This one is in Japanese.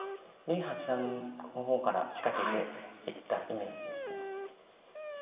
林八段の方から仕掛けていったイメージです。